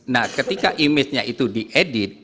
nah ketika image nya itu diedit